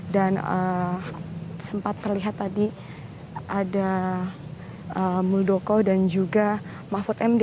dan sempat terlihat tadi ada muldoko dan juga mahfud md